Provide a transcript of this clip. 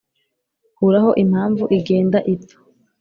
kuraho impamvu igenda ipfa,